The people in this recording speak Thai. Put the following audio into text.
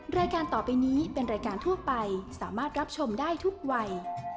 รายการต่อไปนี้เป็นรายการทั่วไปสามารถรับชมได้ทุกวัย